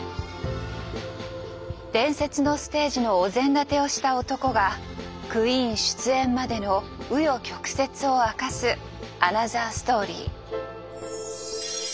伝説のステージのお膳立てをした男がクイーン出演までの紆余曲折を明かすアナザーストーリー。